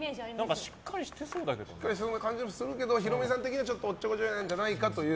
しっかりしてる感じもするけどヒロミさん的にはおっちょこちょいなんじゃないかと。